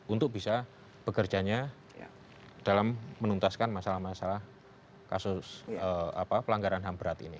untuk bisa bekerjanya dalam menuntaskan masalah masalah kasus pelanggaran ham berat ini